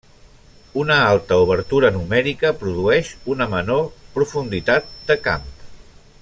Una alta obertura numèrica produeix una menor profunditat de camp.